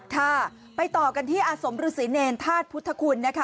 ค่ะไปต่อกันที่อาสมฤษีเนรธาตุพุทธคุณนะคะ